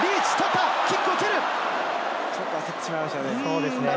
ちょっと焦ってしまいましたね。